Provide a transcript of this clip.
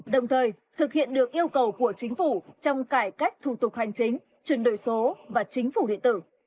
đồng thời thực hiện được yêu cầu của chính phủ trong cải cách thủ tục hành chính chuyển đổi số và chính phủ điện tử